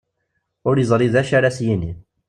Ur yeẓri d acu ara as-yini.